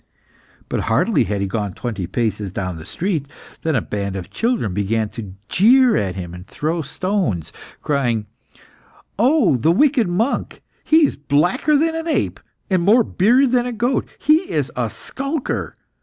But hardly had he gone twenty paces down the street, than a band of children began to jeer at him, and throw stones, crying "Oh, the wicked monk! He is blacker than an ape, and more bearded than a goat! He is a skulker!